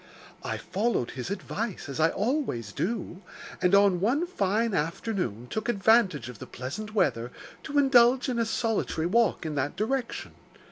I followed his advice, as I always do, and, on one fine afternoon, took advantage of the pleasant weather to indulge in a solitary walk in that direction.